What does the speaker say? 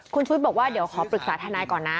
คุณชุวิตบอกว่าเดี๋ยวขอปรึกษาทนายก่อนนะ